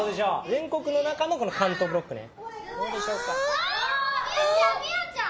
全国の中の関東ブロックね。